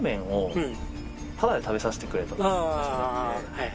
はい。